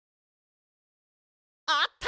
あった！